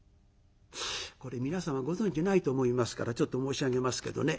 これ皆様ご存じないと思いますからちょっと申し上げますけどね